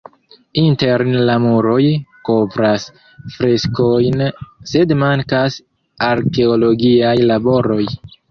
Interne la muroj kovras freskojn, sed mankas arkeologiaj laboroj.